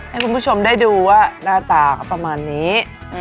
ให้คุณผู้ชมได้ดูว่าหน้าตาเขาประมาณนี้